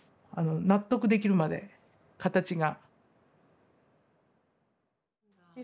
納得できるまで、形が。